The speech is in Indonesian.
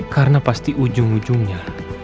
karena pasti ujung ujungnya